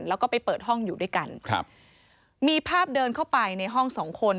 แล้วก็ไปเปิดห้องอยู่ด้วยกันครับมีภาพเดินเข้าไปในห้องสองคน